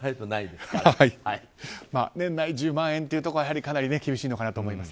年内１０万円というところはかなり厳しいのかなと思います。